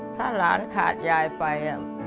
ถ้าหลานขาดยายไป